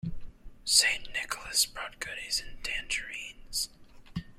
St. Nicholas brought goodies and tangerines.